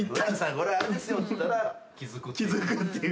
これあれですよ」って言ったら気付くっていう。